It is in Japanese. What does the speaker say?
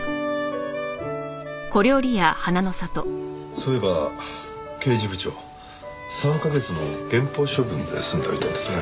そういえば刑事部長３カ月の減俸処分で済んだみたいですね。